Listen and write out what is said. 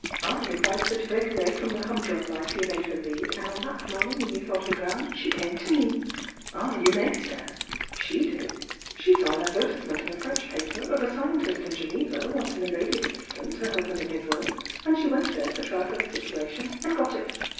7 advised her to break awa^ from the hum drum life you made her lead, and on that morning when you thought her drowned, she came to mef Ah vou r^.fr' ^^"^'^ Shesawanadvertisemenfi^ a French paper of a scientist in Geneva wanting a S«rf f ^.^^^?^^^!>« ^^rk, and she wfnt there to try for the situation and got it.